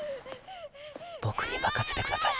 僕に任せてください。